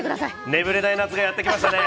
眠れない夏がやってきますね。